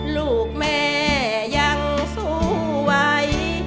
ลูกแม่ยังสู้ไหว